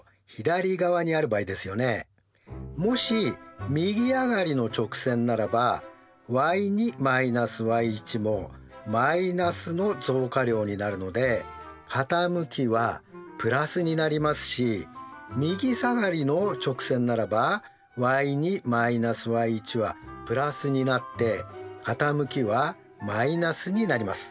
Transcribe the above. もし右上がりの直線ならばｙ−ｙもマイナスの増加量になるので傾きはプラスになりますし右下がりの直線ならばｙ−ｙはプラスになって傾きはマイナスになります。